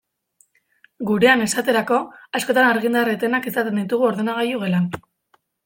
Gurean, esaterako, askotan argindar etenak izaten ditugu ordenagailu gelan.